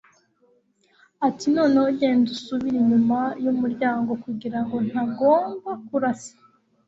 ati noneho genda usubire inyuma y'umuryango kugirango ntagomba kurasa